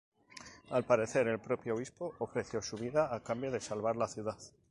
Al parecer, el propio obispo ofreció su vida a cambio de salvar la ciudad.